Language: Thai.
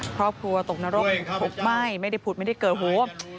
ครอบครัวตกนรกถูกไหม้ไม่ได้ผุดไม่ได้เกิดหู